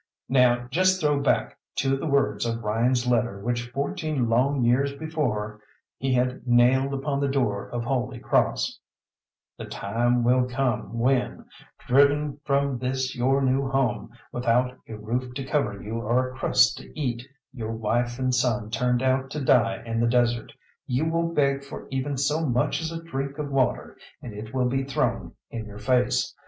Now just throw back to the words of Ryan's letter which fourteen long years before he had nailed upon the door of Holy Cross: "The time will come when, driven from this your new home, without a roof to cover you or a crust to eat, your wife and son turned out to die in the desert, you will beg for even so much as a drink of water, and it will be thrown in your face.